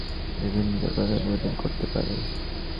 তিনি দেবীর নিকট প্রার্থনা নিবেদন করতে শুরু করেন।